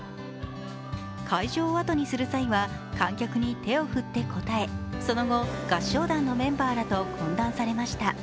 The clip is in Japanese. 会場を後にする際は、観客に手を振って応え、その後、合唱団のメンバーらと懇談されました。